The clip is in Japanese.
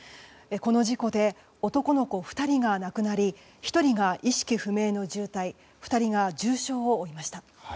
この事故で男の子２人が亡くなり１人が意識不明の重体２人が重傷を負いました。